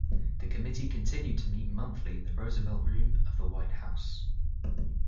The committee continued to meet monthly in the Roosevelt Room of the White House.